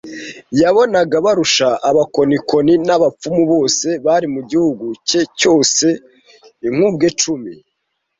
yabonaga barusha abakonikoni n’abapfumu bose bari mu gihugu cye cyose inkubwe cumi